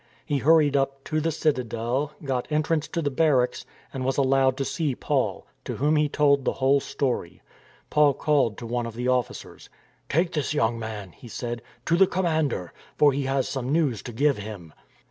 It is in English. He hurried up to the citadel, got entrance to the barracks and was allowed to see Paul, to whom he told the whole story. Paul called to one of the officers. " Take this young man," he said, " to the com mander, for he has some news to give him."